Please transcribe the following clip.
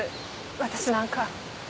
私なんか。